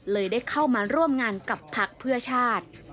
ได้เข้ามาร่วมงานกับพักเพื่อชาติ